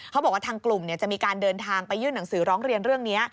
เขาบอกว่าทางกลุ่มจะมีการเดินทางไปยื่นหนังสือร้องเรียนเรื่องนี้